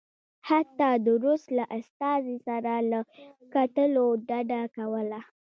حتی د روس له استازي سره له کتلو ډډه کوله.